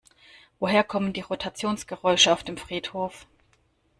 Woher kommen die Rotationsgeräusche auf dem Friedhof?